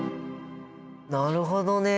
なるほどね！